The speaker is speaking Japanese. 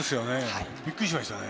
びっくりしました。